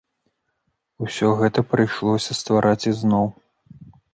Усё гэта прыйшлося ствараць ізноў.